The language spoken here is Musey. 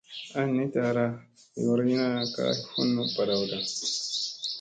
Aŋ ni taara yoorina ha fun barawda.